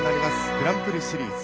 グランプリシリーズ。